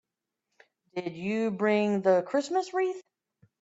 Did you bring the Christmas wreath?